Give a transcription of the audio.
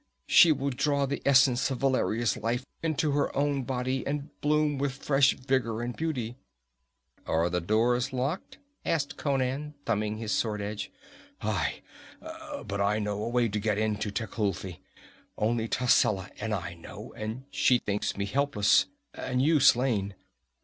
She will draw the essence of Valeria's life into her own body, and bloom with fresh vigor and beauty." "Are the doors locked?" asked Conan, thumbing his sword edge. "Aye! But I know a way to get into Tecuhltli. Only Tascela and I know, and she thinks me helpless and you slain.